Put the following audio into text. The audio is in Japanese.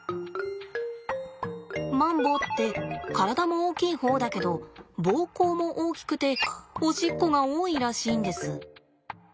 マンボウって体も大きい方だけど膀胱も大きくておしっこが多いらしいんです。